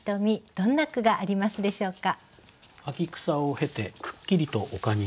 どんな句がありますでしょうか？